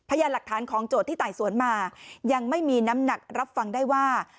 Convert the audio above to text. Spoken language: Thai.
พยานหลักฐานของโจทย์ที่ไต่สวนมายังไม่มีน้ำหนักรับฟังได้ว่า